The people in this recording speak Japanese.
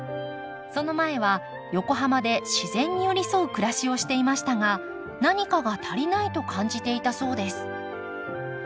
その前は横浜で自然に寄り添う暮らしをしていましたが何かが足りないと感じていたそうです。